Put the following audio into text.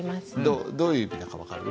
どういう意味だか分かる？